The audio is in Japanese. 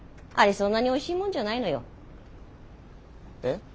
そんなにおいしいもんじゃないのよ。えっ？